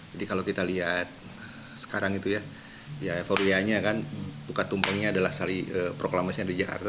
jadi kalau kita lihat sekarang itu ya ya euforianya kan bukan tumpengnya adalah sali proklamasinya di jakarta